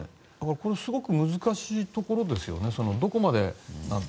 すごく難しいところですよね。